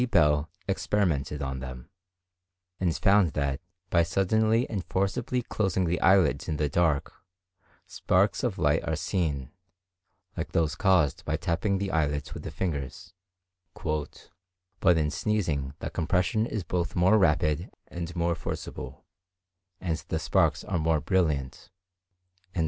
Bell experimented on them, and found that by suddenly and forcibly closing the eyelids in the dark, sparks of light are seen, like those caused by tapping the eyelids with the fingers; "but in sneezing the compression is both more rapid and more forcible, and the sparks are more brilliant."